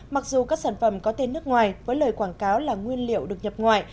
mặc dù các sản phẩm có tên nước ngoài với lời quảng cáo là nguyên liệu được nhập ngoại